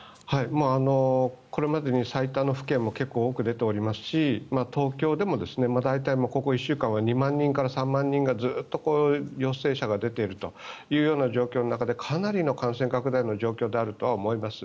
これまでで最多の府県も出ていますし東京でも大体ここ１週間は２万人から３万人がずっと陽性者が出ているという状況の中でかなりの感染拡大の状況であるとは思います。